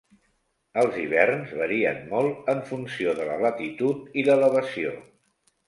Els hiverns varien molt en funció de la latitud i l'elevació.